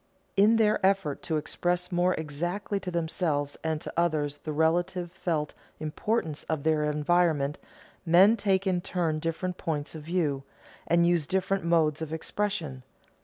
In their effort to express more exactly to themselves and to others the relative felt importance of their environment, men take in turn different points of view, and use different modes of expression.